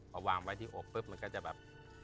พอวางไว้ที่อกปุ๊บมันก็จะแบบ